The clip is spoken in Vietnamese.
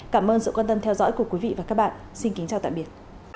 cảm ơn sự quan tâm theo dõi của quý vị và các bạn xin kính chào tạm biệt